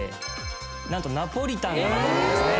何とナポリタンが載るんですね。